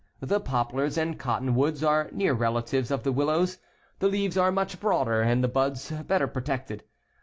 The poplars and cottonwoods are near relatives of the willows. The leaves are much broader, and the buds better protected.